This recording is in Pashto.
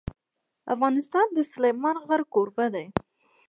افغانستان د سلیمان غر کوربه دی.